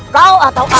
kau atau aku